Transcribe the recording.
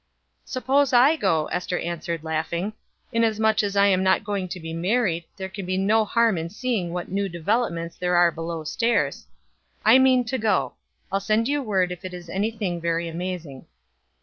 "Suppose I go," Ester answered, laughing. "Inasmuch as I am not going to be married, there can be no harm in seeing what new developments there are below stairs. I mean to go. I'll send you word if it is any thing very amazing."